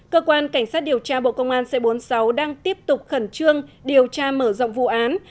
cơ quan cảnh sát điều tra bộ công an c bốn mươi sáu đang tiếp tục khẩn trương điều tra mở rộng vụ án